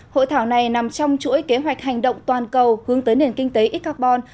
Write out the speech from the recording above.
hội thảo này nằm trong chuỗi kế hoạch hành động toàn cầu hướng tới nền kinh tế ít carbon